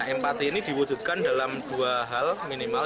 empati ini diwujudkan dalam dua hal minimal